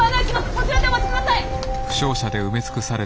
そちらでお待ちください！